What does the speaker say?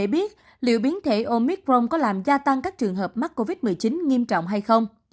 trong bài viết bác sĩ cho biết liệu biến thể omicron có làm gia tăng các trường hợp mắc covid một mươi chín nghiêm trọng hay không